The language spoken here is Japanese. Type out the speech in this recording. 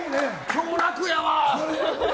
今日、楽やわ。